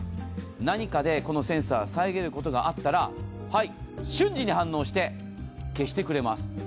何かでこのセンサー、遮ることがあったら瞬時に反応して消してくれます。